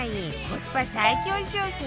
コスパ最強商品